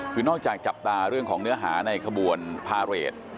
คือนอกจากจับตาเรื่องของเนื้อหาในขบวนพาเรท